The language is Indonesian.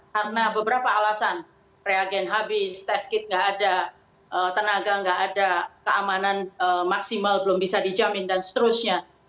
karena beberapa alasan reagen habis test kit nggak ada tenaga nggak ada keamanan maksimal belum bisa dijamin dan seterusnya